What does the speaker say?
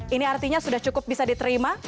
ini artinya sudah cukup bisa diterima